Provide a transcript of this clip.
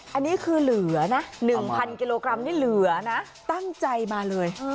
อันนี้คือเหลือนะ๑๐๐กิโลกรัมนี่เหลือนะตั้งใจมาเลย